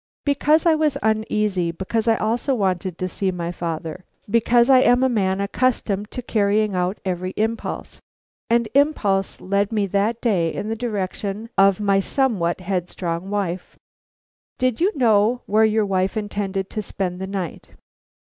"Because I was uneasy; because I also wanted to see my father; because I am a man accustomed to carry out every impulse; and impulse led me that day in the direction of my somewhat headstrong wife." "Did you know where your wife intended to spend the night?"